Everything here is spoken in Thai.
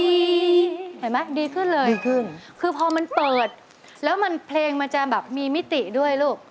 เห็นไหมดีขึ้นเลยดีขึ้นคือพอมันเปิดแล้วมันเพลงมันจะแบบมีมิติด้วยลูก